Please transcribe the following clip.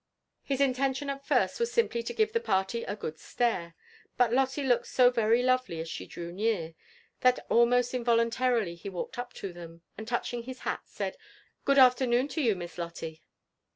His intention at first was simply to give the jparty a ''good stare ;" but Lolte looked so very lovely as she drew near, that almost involun tarily he walked up to them, and touching his hat, said, " Good af ternoon to you. Miss Lolte."